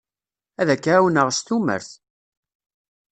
Ad k-ɛawneɣ s tumert.